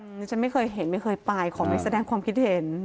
ดิฉันไม่เคยเห็นไม่เคยไปขอไม่แสดงความคิดเห็น